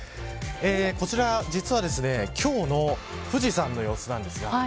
こちら、実は今日の富士山の様子です。